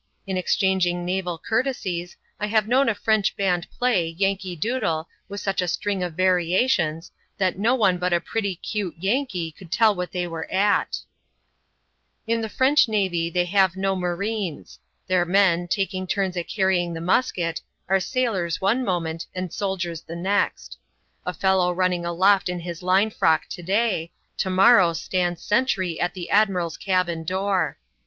In exchanging naval coui:tesies, I have known a French band play " Yankee Doodle " with such a string of variations, that no one but a " pretty 'cute " Yankee could tell what they were «i.t. Id Uie French nayy they have no marines •, ^Ylot m<ei^^ Vq^kv&% U% ADVENTURES IN THE SOUTH SEAS, [chap.xxm. turns at carrjiiig the musket, are sailors one moment, and soldiers the next ; a fellow running aloft in his line £rock to daj, to morrow stands sentry at the admiral's cabin door.